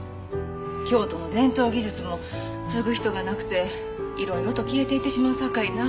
京都の伝統技術も継ぐ人がなくていろいろと消えていってしまうさかいな。